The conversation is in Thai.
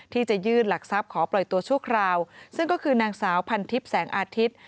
ที่จะยื่นหลักทรัพย์ขอปล่อยตัวชั่วคราวซึ่งก็คือนางสาวพันทิพย์แสงอาทิตย์